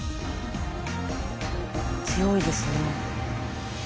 強いですね。